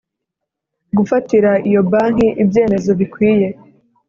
Gufatira iyo banki ibyemezo bikwiye